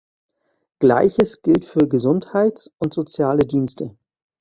Gleiches gilt für Gesundheits- und soziale Dienste.